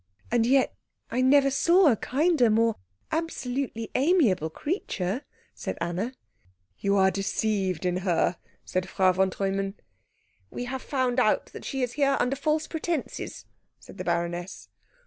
"And yet I never saw a kinder, more absolutely amiable creature," said Anna. "You are deceived in her," said Frau von Treumann. "We have found out that she is here under false pretences," said the baroness.